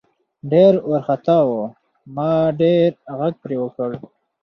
ډېر ورخطا وو ما ډېر غږ پې وکړه .